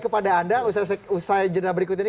kepada anda usaha usaha jenera berikut ini